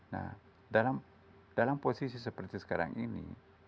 nah dalam posisi seperti sekarang ini